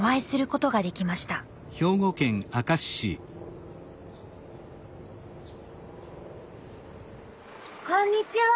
こんにちは。